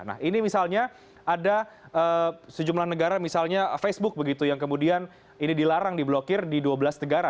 nah ini misalnya ada sejumlah negara misalnya facebook begitu yang kemudian ini dilarang diblokir di dua belas negara